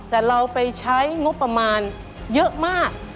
แต่เราไปใช้งบประมาณเยอะมาก